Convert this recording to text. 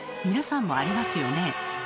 皆さんもありますよね？